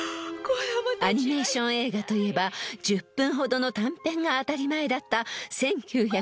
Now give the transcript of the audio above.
［アニメーション映画といえば１０分ほどの短編が当たり前だった１９３７年］